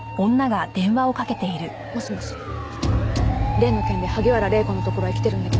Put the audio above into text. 例の件で萩原礼子のところへ来てるんだけど。